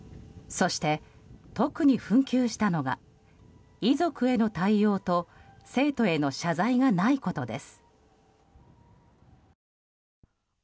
そして、特に紛糾したのが遺族への対応と生徒への謝罪がないことです。